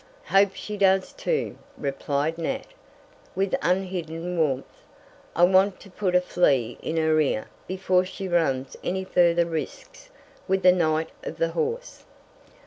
"Hope she does, too," replied Nat, with unhidden warmth. "I want to put a flea in her ear before she runs any further risks with the knight of the horse."